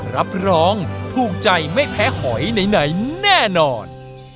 รับรองถูกใจไม่แพ้หอยไหนแน่นอน